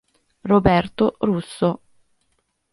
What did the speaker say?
Roberto Russo